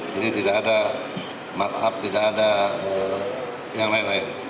tidak ada markup tidak ada yang lain lain